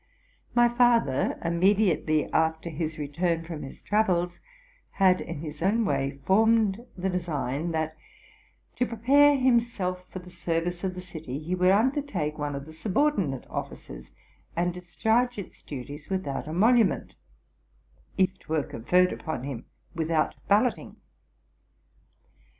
My father, immediately after his return from his travels, had in his own way formed the design, that, to prepare him self for the service of the city, he would undertake one of 'the subordinate offices, and discharge its duties without RELATING TO MY LIFE. 61 emolument, if it were conferred upon him without ballot ing.